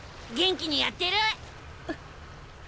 元気にやってる？